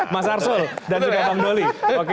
mas arsul dan juga bang dolly oke